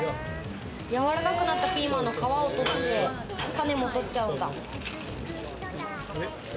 柔らかくなったピーマンの皮を取って種も取っちゃうんだ。